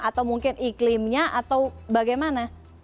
atau mungkin iklimnya atau bagaimana